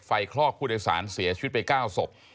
คลอกผู้โดยสารเสียชีวิตไป๙ศพ